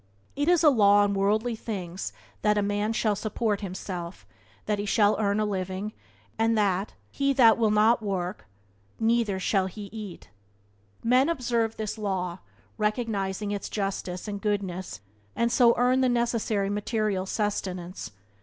It is a law in worldly things that a man shall support himself, that he shall earn his living, and that "He that will not work, neither shall he eat." Men observe this law, recognizing its justice and goodness, and so earn the necessary material sustenance.